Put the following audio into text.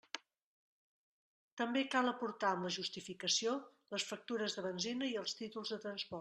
També cal aportar amb la justificació les factures de benzina i els títols de transport.